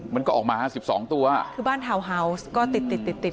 มันก็ออกมา๑๒ตัวคือบ้านเทาเฮาส์ก็ติด